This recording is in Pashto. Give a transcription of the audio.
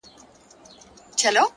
صبر د بریا کلید دی’